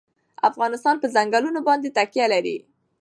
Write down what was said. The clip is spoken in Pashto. افغانستان په چنګلونه باندې تکیه لري.